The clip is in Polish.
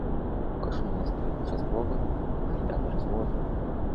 Koszulę zdjął przez głowę, hajdawery złożył